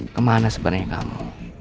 kemana sebenarnya kamu